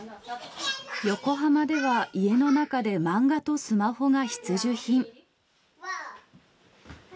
横浜では家の中でマンガとスマホが必需品。